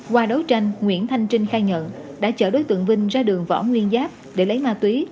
qua đấu tranh nguyễn thanh trinh khai nhận đã chở đối tượng vinh ra đường võ nguyên giáp để lấy ma túy